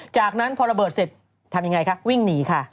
จากนั้นพอระเบิดเสร็จทำยังไงคะวิ่งหนีค่ะ